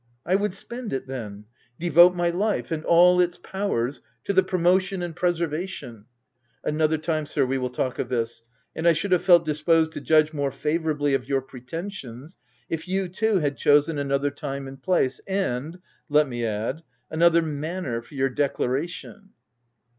"I would spend it, then— devote my life — and all its powers to the promotion and pre servation —" "Another time, sir, we will talk of this — and I should have felt disposed to judge more favourably of your pretensions, if you too had chosen another time and place, and — let me add — another manner for your declara tion."